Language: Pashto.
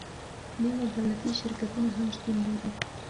نیمه دولتي شرکتونه هم شتون لري.